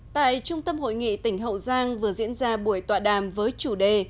tại trung tâm hội nghị tỉnh hậu giang vừa diễn ra buổi tọa đàm với chủ đề